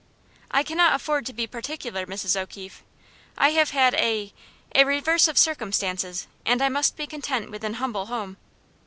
"I cannot afford to be particular, Mrs. O'Keefe. I have had a a reverse of circumstances, and I must be content with an humble home."